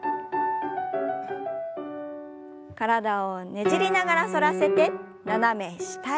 体をねじりながら反らせて斜め下へ。